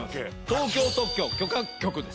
東京特許許可局です